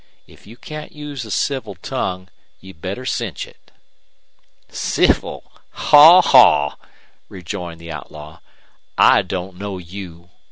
If you can't use a civil tongue you'd better cinch it." "Civil? Haw, haw!" rejoined the outlaw. "I don't know you.